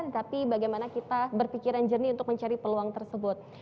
tapi bagaimana kita berpikiran jernih untuk mencari peluang tersebut